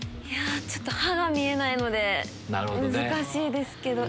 歯が見えないので難しいですけど。